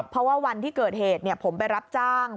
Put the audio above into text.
เพราะว่าวันที่เกิดเหตุผมไปรับจ้าง